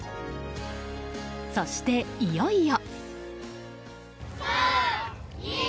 そして、いよいよ。